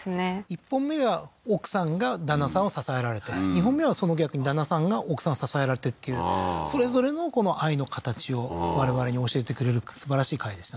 １本目が奥さんが旦那さんを支えられて２本目はその逆に旦那さんが奥さん支えられてっていうそれぞれの愛の形を我々に教えてくれるすばらしい回でしたね